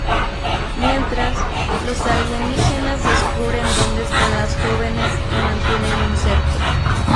Mientras, los alienígenas descubren donde están las jóvenes y mantienen un cerco.